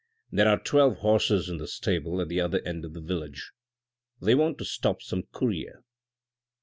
There are twelve horses in the stable at the other end of the village. They want to stop some courier."